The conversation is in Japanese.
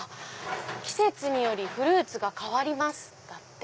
「季節によりフルーツが変わります」だって。